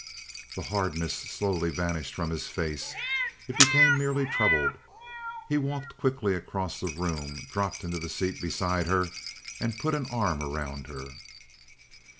The hardness slowly vanished from his face. It became merely troubled. He walked quickly across the room, dropped into the seat beside her and put an arm round her.